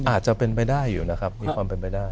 อาจจะเป็นไปได้อยู่นะครับมีความเป็นไปได้